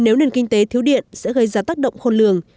nếu nền kinh tế thiếu điện sẽ gây ra tác động khôn lường